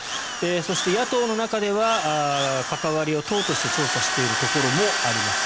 そして野党の中では関わりを党として調査しているところもあります。